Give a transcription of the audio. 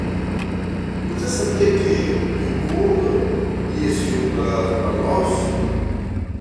Você sabia que Nikola ia se juntar a nós?